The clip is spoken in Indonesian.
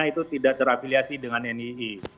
itu tidak terafiliasi dengan nii